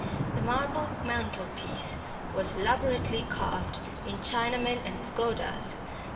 The marble mantelpiece was elaborately carved in Chinamen and pagodas.